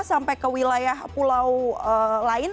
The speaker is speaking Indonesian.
sampai ke wilayah pulau lain